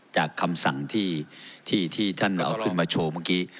จากคำสั่งที่ท่านออกมาโชว์เมื่อกี้